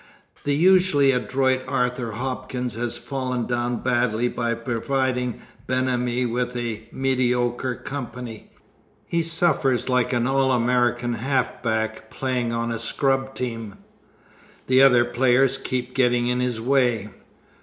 The usually adroit Arthur Hopkins has fallen down badly by providing Ben Ami with a mediocre company. He suffers like an All America halfback playing on a scrub team. The other players keep getting in his way.